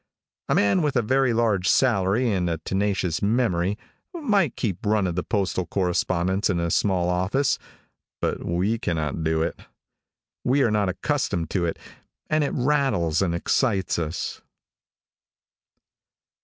A man with a very large salary and a tenacious memory might keep run of the postal correspondence in a small office, but we cannot do it. We are not accustomed to it, and it rattles and excites us.